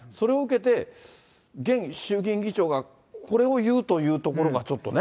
それを受けて、現衆議院議長がこれを言うというところがちょっとね。